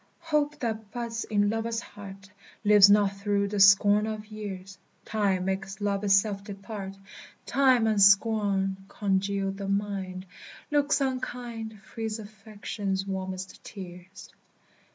Hope, that buds in lover's heart, Lives not through the scorn of years; Time makes love itself depart; Time and scorn congeal the mind, Looks unkind Freeze affection's warmest tears.